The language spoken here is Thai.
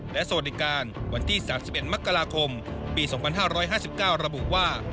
และสวัสดิการวันที่๓๑มกราคมปี๒๕๕๙ระบุว่า